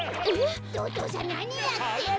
お父さんなにやってんの。